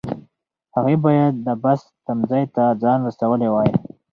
هغې باید د بس تمځای ته ځان رسولی وای.